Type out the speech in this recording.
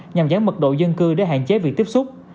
nhằm giảm mật độ dân cư để hạn chế việc tiếp xúc